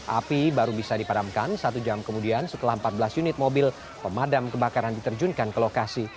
api baru bisa dipadamkan satu jam kemudian setelah empat belas unit mobil pemadam kebakaran diterjunkan ke lokasi